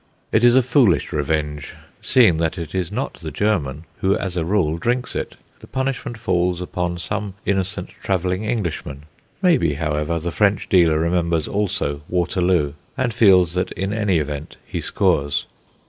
It is a foolish revenge, seeing that it is not the German who as a rule drinks it; the punishment falls upon some innocent travelling Englishman. Maybe, however, the French dealer remembers also Waterloo, and feels that in any event he scores.